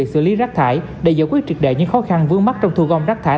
đơn vị xử lý rác thải để giải quyết trực đại những khó khăn vướng mắt trong thua gom rác thải